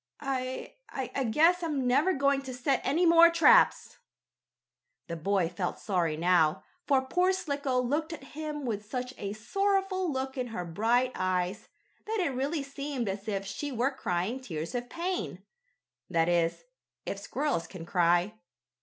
I I guess I'm never going to set any more traps." The boy felt sorry now, for poor Slicko looked at him with such a sorrowful look in her bright eyes, that it really seemed as if she were crying tears of pain that is, if squirrels can cry.